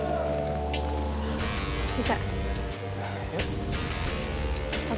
bener bener jatuh cinta sama gue